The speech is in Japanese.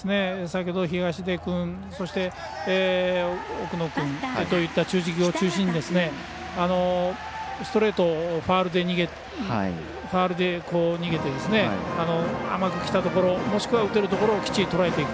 東出君やそして奥野君といった中軸を中心にストレート、ファウルで逃げて甘くきたところもしくは打てるところをきっちりとらえていく。